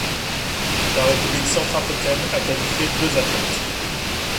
La République centrafricaine a qualifié deux athlètes.